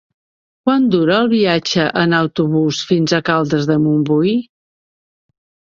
Quant dura el viatge en autobús fins a Caldes de Montbui?